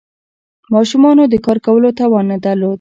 ماشومانو د کار کولو توان نه درلود.